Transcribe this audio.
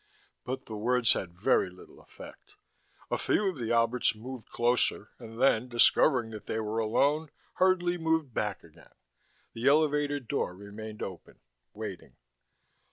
But the words had very little effect. A few of the Alberts moved closer and then, discovering that they were alone, hurriedly moved back again. The elevator door remained open, waiting.